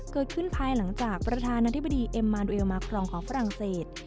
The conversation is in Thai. ภายหลังจากประธานาธิบดีเอ็มมานเอลมากรองของฝรั่งเศส